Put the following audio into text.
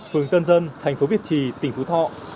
phường tân dân thành phố việt trì tỉnh phú thọ